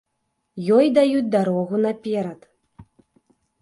Ёй даюць дарогу наперад.